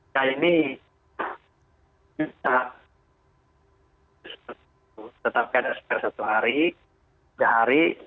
ya ini bisa tetapkan sepuluh hari tiga hari